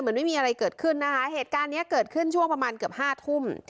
ไม่มีอะไรเกิดขึ้นนะคะเหตุการณ์นี้เกิดขึ้นช่วงประมาณเกือบห้าทุ่ม